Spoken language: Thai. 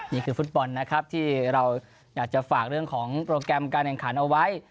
นี่คือฟุตบอลนะครับที่เราอยากจะฝากเรื่องของโปรแกรมการแข่งขันเอาไว้